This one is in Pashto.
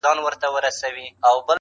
ضمير بې قراره پاتې کيږي تل,